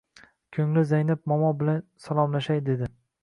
Ko‘ngli, Zaynab momo bilan salomlashay, dedi.